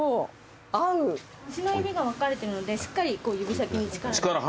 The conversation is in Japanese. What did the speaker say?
足の指が分かれてるのでしっかり指先に力が。